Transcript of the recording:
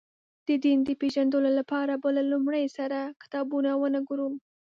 د دین د پېژندلو لپاره به له لومړي سره کتابونه ونه ګورو.